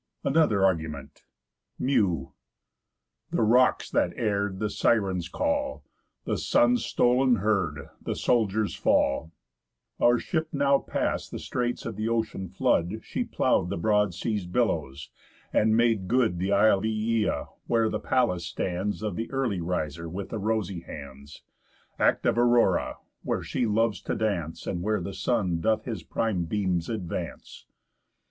ANOTHER ARGUMENT Μυ̑ The rocks that err'd, The Sirens' call. The Sun's stol'n herd. The soldiers' fall. "Our ship now past the straits of th' ocean flood, She plow'd the broad sea's billows, and made good The isle Ææa, where the palace stands Of th' early riser with the rosy hands, Active Aurora, where she loves to dance, And where the Sun doth his prime beams advance.